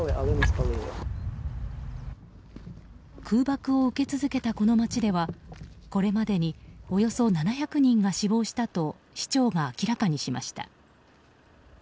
空爆を受け続けたこの街ではこれまでにおよそ７００人が死亡したと市長が明らかにしました。